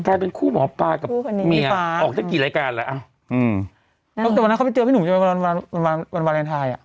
กลายเป็นคู่หมอปลากับเมียออกตั้งกี่รายการแล้วตั้งแต่วันนั้นเขาไปเจอพี่หนุ่มจะไปวันวาเลนไทยอ่ะ